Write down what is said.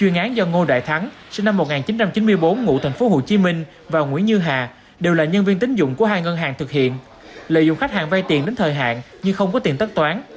nguyễn như hà đều là nhân viên tính dụng của hai ngân hàng thực hiện lợi dụng khách hàng vay tiền đến thời hạn nhưng không có tiền tất toán